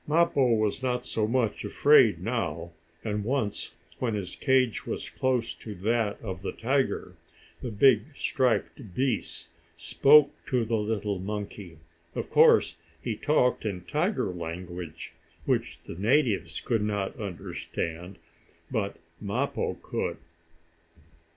Mappo was not so much afraid now, and once, when his cage was close to that of the tiger, the big, striped beast spoke to the little monkey. Of course he talked in tiger language, which the natives could not understand, but Mappo could.